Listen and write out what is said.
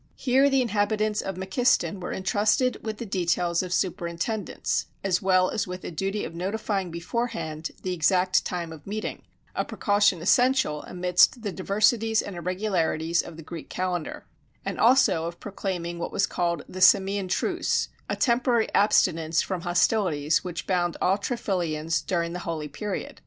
Here the inhabitants of Maciston were intrusted with the details of superintendence, as well as with the duty of notifying beforehand the exact time of meeting (a precaution essential amidst the diversities and irregularities of the Greek calendar) and also of proclaiming what was called the Samian truce a temporary abstinence from hostilities which bound all Triphylians during the holy period.